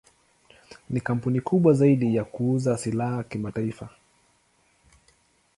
Ni kampuni kubwa zaidi ya kuuza silaha kimataifa.